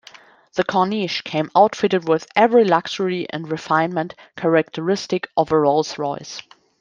The Corniche came outfitted with every luxury and refinement characteristic of a Rolls-Royce.